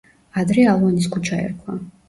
ადრე ალვანის ქუჩა ერქვა.